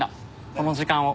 この時間を。